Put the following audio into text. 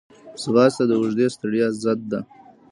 ځغاسته د اوږدې ستړیا ضد ده